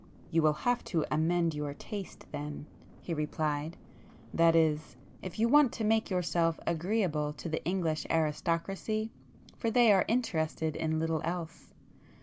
"You will have to amend your taste then,"—he replied—"That is, if you want to make yourself agreeable to the English aristocracy, for they are interested in little else.